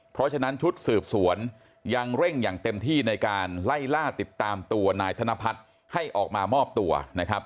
เพราะฉะนั้นชุดสืบสวนยังเร่งอย่างเต็มที่ในการไล่ล่าติดตามตัวนายธนพัฒน์ให้ออกมามอบตัวนะครับ